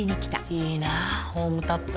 いいなホームタップ。